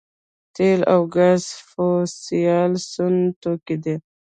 تیل او ګاز فوسیل سون توکي دي